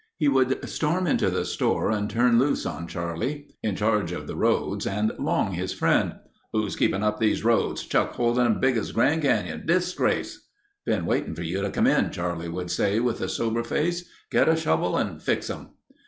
He would storm into the store and turn loose on Charlie, in charge of the roads and long his friend. "Who's keeping up these roads? Chuck holes in 'em big as the Grand Canyon ... disgrace—" "Been waiting for you to come in," Charlie would say with a sober face. "Get a shovel and fix 'em."